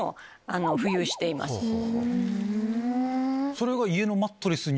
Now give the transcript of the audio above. それが。